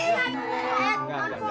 pak pak pak